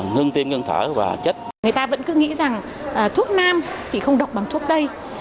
người ta vẫn cứ nghĩ rằng thuốc nam thì không đọc bằng thuốc tây